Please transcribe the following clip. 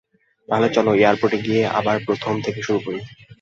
তাহলে চলো এয়ারপোর্টে গিয়ে আবার প্রথম থেকে শুরু করি।